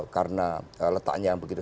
karena letaknya begitu